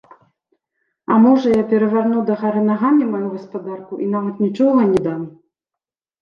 А можа, я перавярну дагары нагамі маю гаспадарку і нават нічога не дам?